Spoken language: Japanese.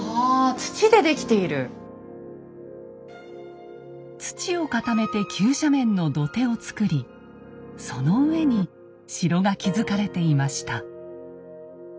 土を固めて急斜面の土手をつくりその上に城が築かれていました。